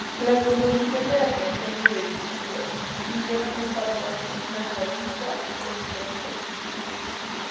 La composición de las canciones del disco siguieron un patrón vanguardista e introspectivo.